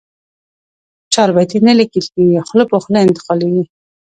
چاربیتې نه لیکل کېږي، خوله په خوله انتقالېږي.